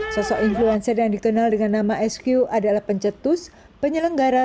sosok influencer yang dikenal dengan nama sq adalah pencetus penyelenggara